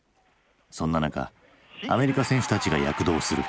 そんな中アメリカ選手たちが躍動する。